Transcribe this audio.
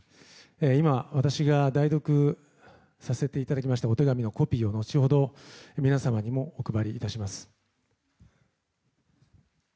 今私が代読させていただきましたお手紙のコピーを後ほど皆様にもお配りいたします。